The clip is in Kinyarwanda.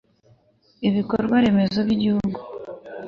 Ibikorwa remezo byigihugu